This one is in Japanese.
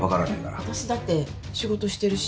えっ私だって仕事してるし。